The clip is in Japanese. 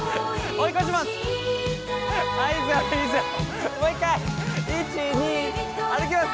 追い越します。